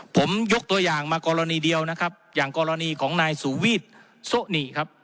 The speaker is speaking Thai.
ผมยกตัวอย่างมากรณีเดียวนะครับอย่างกรณีของนายสูวีตโซนีครับ